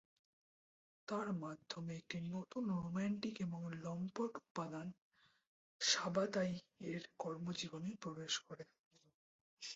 তার মাধ্যমে একটি নতুন রোমান্টিক এবং লম্পট উপাদান সাবাতাই এর কর্মজীবনে প্রবেশ করে।